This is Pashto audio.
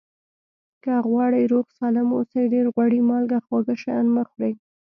که غواړئ روغ سالم اوسئ ډېر غوړي مالګه خواږه شیان مه خوری